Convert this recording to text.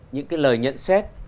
những cái lời nhận xét